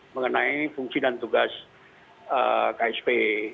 mengenai fungsi dan tugas ksp